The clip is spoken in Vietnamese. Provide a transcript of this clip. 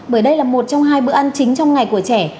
bởi đây là một trong hai bữa ăn chính trong ngày của trẻ